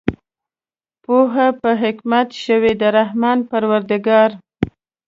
پوهه په حکمت شوه د رحمان پروردګار